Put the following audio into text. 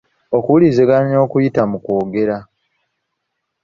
Okuwuliziganya okuyita mu kwogera.